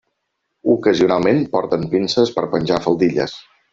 Ocasionalment porten pinces per penjar faldilles.